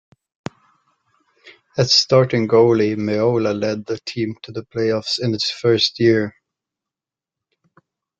As starting goalie, Meola led the team to the playoffs in its first year.